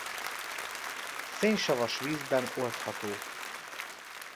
Szénsavas vízben oldható.